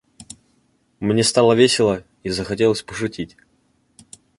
Мне стало весело и захотелось пошутить.